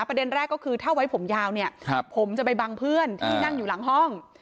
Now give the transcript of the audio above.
ประเด็นแรกก็คือถ้าไว้ผมยาวเนี่ยผมจะไปบังเพื่อนที่นั่งอยู่หลังห้อง